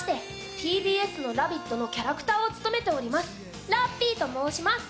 ＴＢＳの「ラヴィット！」のキャラクターを務めておりますラッピーと申します。